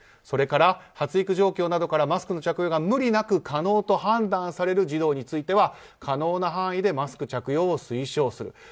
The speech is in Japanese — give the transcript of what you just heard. それから発育状況などからマスクの着用が無理なく判断される児童については可能な範囲でマスク着用を推奨する。